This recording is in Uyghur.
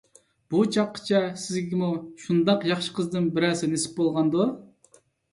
بۇ چاغقىچە سىزگىمۇ شۇنداق ياخشى قىزدىن بىرەرسى نېسىپ بولغاندۇ؟